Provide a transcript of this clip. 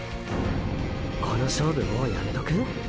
この勝負もうやめとく？